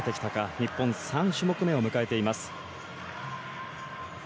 日本、３種目めを迎えています。